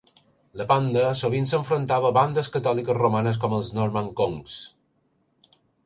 La banda sovint s'enfrontava a bandes catòliques romanes com els Norman Conks.